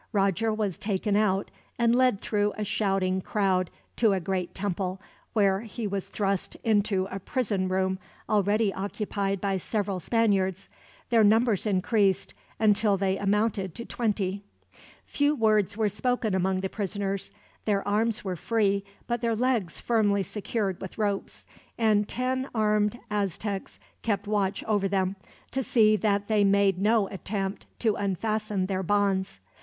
Roger was taken out, and led through a shouting crowd to a great temple, where he was thrust into a prison room, already occupied by several Spaniards. Their numbers increased, until they amounted to twenty. Few words were spoken among the prisoners. Their arms were free, but their legs firmly secured with ropes; and ten armed Aztecs kept watch over them, to see that they made no attempt to unfasten their bonds.